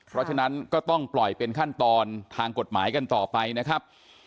เพราะฉะนั้นก็ต้องปล่อยเป็นขั้นตอนทางกฎหมายกันต่อไปนะครับ